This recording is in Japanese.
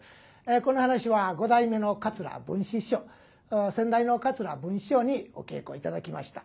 この噺は五代目の桂文枝師匠先代の桂文枝師匠にお稽古頂きました。